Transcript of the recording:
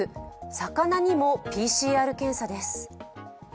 魚にもＰＣＲ検査です。